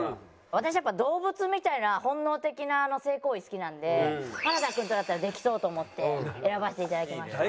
私やっぱ動物みたいな本能的な性行為好きなんで原田君とだったらできそうと思って選ばせていただきました。